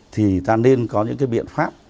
thì ta nên có những biện pháp